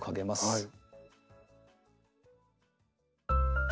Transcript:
はい。